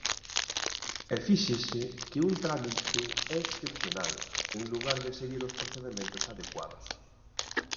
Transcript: E fíxese que un trámite é excepcional, en lugar de seguir os procedementos adecuados.